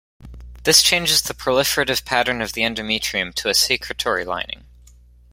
This changes the proliferative pattern of the endometrium to a secretory lining.